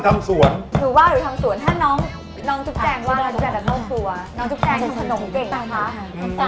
ตามสวนถ้าน้องค่ะ